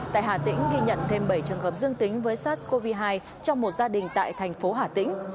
tại hà tĩnh ghi nhận thêm bảy trường hợp dương tính với sars cov hai trong một gia đình tại thành phố hà tĩnh